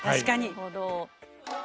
なるほど。